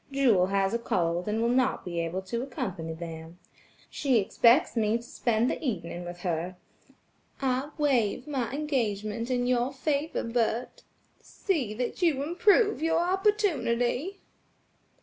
Jewel has a cold and will not be able to accompany them. She expects me to spend the evening with her. I waive my engagement in your favor, Bert; see that you improve your opportunity."